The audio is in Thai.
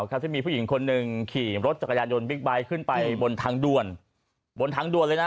ที่มีผู้หญิงคนหนึ่งขี่รถจักรยานยนต์บิ๊กไบท์ขึ้นไปบนทางด่วนบนทางด่วนเลยนะ